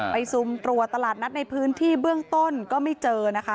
ซุมตรวจตลาดนัดในพื้นที่เบื้องต้นก็ไม่เจอนะคะ